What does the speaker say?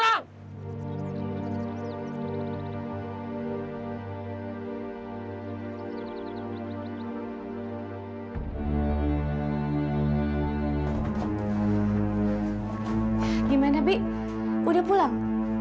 bagaimana bi sudah pulang